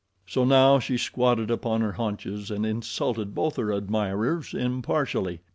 So now she squatted upon her haunches and insulted both her admirers impartially.